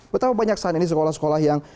betapa banyak saat ini sekolah sekolah yang